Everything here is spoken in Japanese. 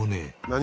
何？